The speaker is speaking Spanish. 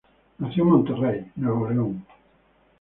Nació en Monterrey, Nuevo León.